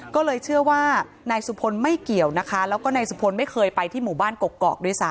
ก็เลยเชื่อว่านายสุพลไม่เกี่ยวนะคะแล้วก็นายสุพลไม่เคยไปที่หมู่บ้านกกอกด้วยซ้